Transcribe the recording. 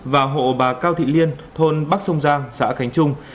và hộ bà cao thị liên thôn bắc sông giang xã khánh trung